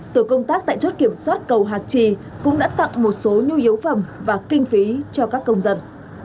tổ công tác tại chốt kiểm soát cầu hạc trì cũng đã tặng một số nhu yếu phẩm và kinh phí cho các công dân